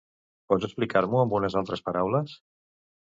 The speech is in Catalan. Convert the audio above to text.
Pots explicar-m'ho amb unes altres paraules?